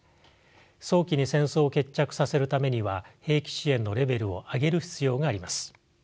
早期に戦争を決着させるためには兵器支援のレベルを上げる必要があります。